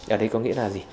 ở đây có nghĩa là gì